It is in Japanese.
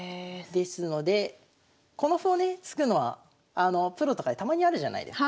ですのでこの歩をね突くのはプロとかでたまにあるじゃないですか。